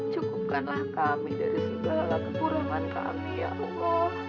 cukupkanlah kami dari segala kekurangan kami ya allah